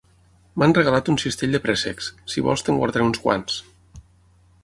M'han regalat un cistell de préssecs: si vols te'n guardaré uns quants.